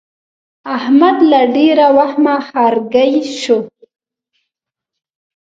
احمد له ډېره وهمه ښارګی شو.